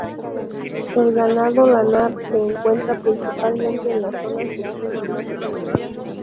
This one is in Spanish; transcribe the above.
El ganado lanar se encuentra principalmente en las zonas de clima más frío.